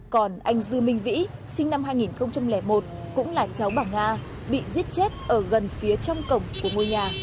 còn anh dư minh vĩ sinh năm hai nghìn một cũng là cháu bà nga bị giết chết ở gần phía trong cổng của ngôi nhà